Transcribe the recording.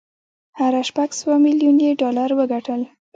هغه شپږ سوه ميليون يې ډالر وګټل.